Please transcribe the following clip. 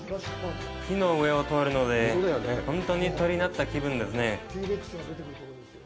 木の上を通るので本当に鳥になった気分ですね。